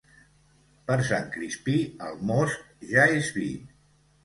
Per Sant Crispí el most ja és vi.